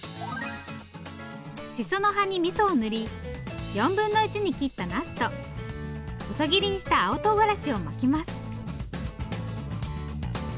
しその葉にみそを塗り４分の１に切ったなすと細切りした青とうがらしを巻きます。